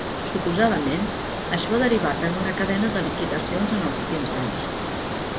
Suposadament, això ha derivat en una cadena de liquidacions en els últims anys.